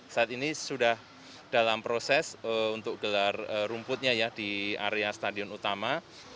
saat ini sudah dalam proses untuk gelar rumputnya ya di area stadion utama